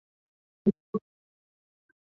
ATM booth থেকে টাকা তোলা যায়।